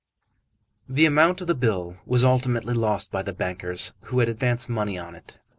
The amount of the bill was ultimately lost by the bankers who had advanced money on it.